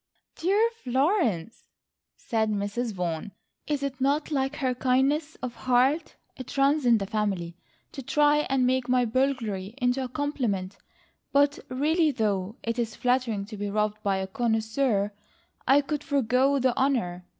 "Dear Florence," said Mrs. Vaughan, "is it not like her kindness of heart—it runs in the family—to try and make my burglary into a compliment, but really though it is flattering to be robbed by a connoisseur I could forego the honour.